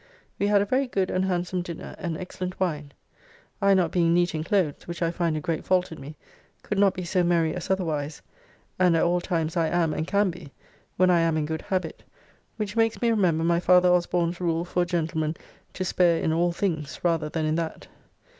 We had a very good and handsome dinner, and excellent wine. I not being neat in clothes, which I find a great fault in me, could not be so merry as otherwise, and at all times I am and can be, when I am in good habitt, which makes me remember my father Osborne's' rule for a gentleman to spare in all things rather than in that.